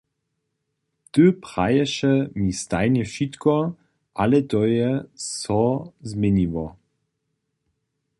Ty praješe mi stajnje wšitko, ale to je so změniło.